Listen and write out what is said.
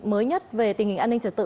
mới nhất về tình hình an ninh trật tự